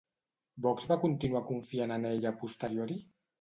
Vox va continuar confiant en ella a posteriori?